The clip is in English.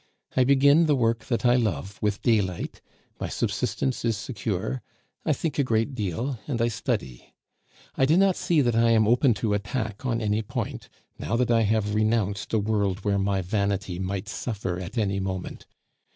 I begin the work that I love with daylight, my subsistence is secure, I think a great deal, and I study. I do not see that I am open to attack at any point, now that I have renounced a world where my vanity might suffer at any moment.